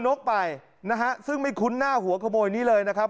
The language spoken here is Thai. นกไปนะฮะซึ่งไม่คุ้นหน้าหัวขโมยนี้เลยนะครับ